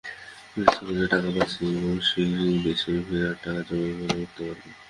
ফ্রিস্কোতে টাকা পাচ্ছি এবং শীঘ্রই দেশে ফেরার টাকা যোগাড় করে উঠতে পারব।